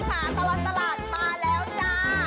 ตะล็อตตะหลังมาแล้วจ้า